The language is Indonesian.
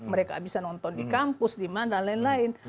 mereka bisa nonton di kampus di mana lain lain